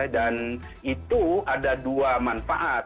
dan itu ada dua manfaat